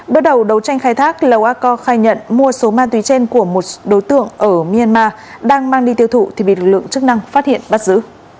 bước đầu đấu tranh khai thác lầu a co khai nhận mua số ma túy trên của một đối tượng ở myanmar đang mang đi tiêu thụ thì bị lực lượng chức năng phát hiện bắt giữ